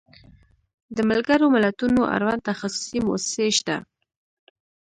د ملګرو ملتونو اړوند تخصصي موسسې شته.